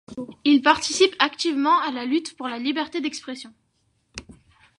Il participe activement à la lutte pour la liberté d'expression.